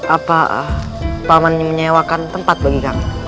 apa pak man menyewakan tempat bagi kami